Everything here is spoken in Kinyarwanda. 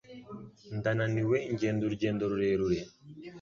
Ndananiwe ngenda urugendo rurerure.